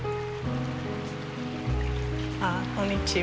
あこんにちは。